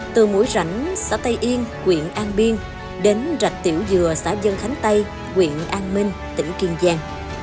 từ mũi rảnh xã tây yên quyện an biên đến rạch tiểu dừa xã dân khánh tây quyện an minh tỉnh kiên giang